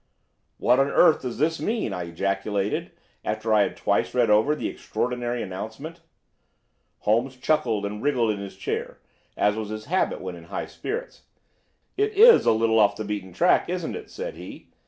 "What on earth does this mean?" I ejaculated after I had twice read over the extraordinary announcement. Holmes chuckled and wriggled in his chair, as was his habit when in high spirits. "It is a little off the beaten track, isn't it?" said he.